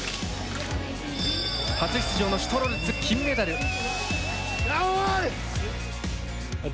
初出場のシュトロルツ金メダル！